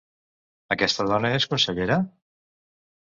Aquesta dona és consellera?